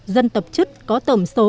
dân tộc chất có tổng số